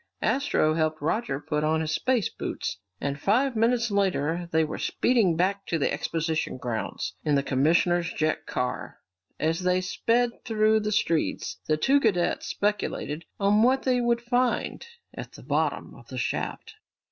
Astro helped Roger put on his space boots, and five minutes later they were speeding back to the exposition grounds in the commissioner's jet car. As they sped through the streets, the two cadets speculated on what they would find at the bottom of the shaft.